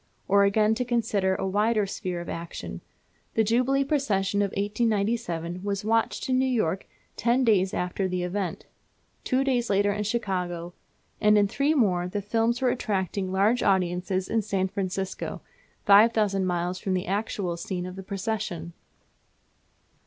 Or again, to consider a wider sphere of action, the Jubilee Procession of 1897 was watched in New York ten days after the event; two days later in Chicago; and in three more the films were attracting large audiences in San Francisco, 5000 miles from the actual scene of the procession!